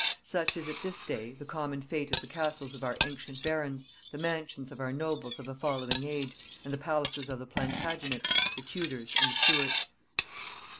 Such is at this day the common fate of the castles of our ancient barons, the mansions of our nobles of a following age, and the palaces of the Plantagenets, the Tudors, and the Stuarts!